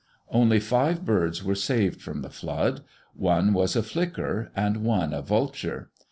Only five birds were saved from the flood. One was a flicker and one a vulture.